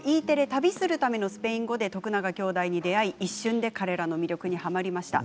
「旅するためのスペイン語」で徳永兄弟に出会い、一瞬で彼らの魅力にはまりました。